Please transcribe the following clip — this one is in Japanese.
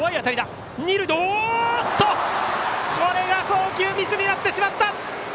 送球ミスになってしまった！